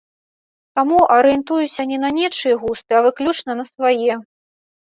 Таму арыентуюся не на нечыя густы, а выключна на свае.